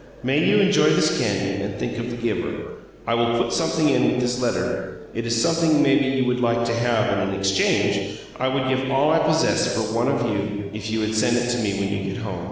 May you enjoy this candy and think of the giver. I will put something in with this letter. It is something maybe you would like to have and in exchange I would give all I possess for one of you if you would send it to me when you get home.